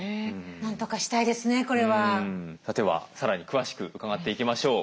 何とかしたいですねこれは。ではさらに詳しく伺っていきましょう。